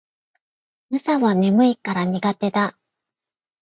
朝は眠いから苦手だ